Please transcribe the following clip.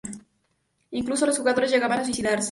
Incluso, los jugadores llegaban a suicidarse.